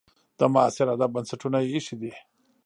د معاصر ادب بنسټونه یې ایښي دي.